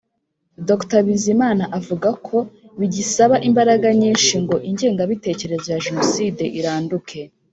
Dr Bizimamana avuga ko bigisaba imbaraga nyinshi ngo ingengabitekerezo ya Jenoside iranduke